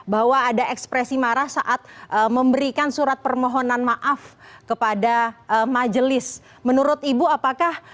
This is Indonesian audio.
bahwa ada ekspresi marah saat memberikan surat permohonan maaf kepada majelis menurut ibu apakah